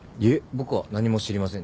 僕は何も知りません。